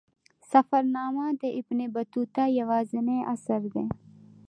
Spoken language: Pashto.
سفرنامه د ابن بطوطه یوازینی اثر دی.